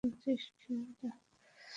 দেখি বুঝিস কি না।